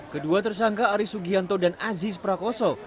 kedua tersangka aris sugianto dan aziz prakoso